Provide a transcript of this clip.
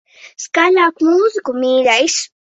Skaļāk mūziku, mīļais.